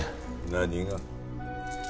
何が？